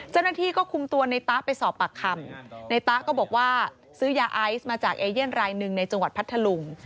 เจ้าหน้าที่ก็คุมตัวในตะไปสอบปากคำในตะก็บอกว่าซื้อยาไอซ์มาจากเอเย่นรายหนึ่งในจังหวัดพัทธลุง